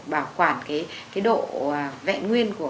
bảo quản cái độ vẹn nguyên này